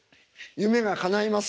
夢がかないます